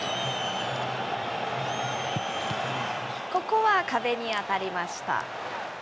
ここは壁に当たりました。